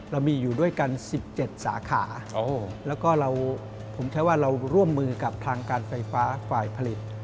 เรามีอยู่ด้วยกัน๑๗สาขาแล้วก็เราผมใช้ว่าเราร่วมมือกับทางการไฟฟ้าฝ่ายผลิต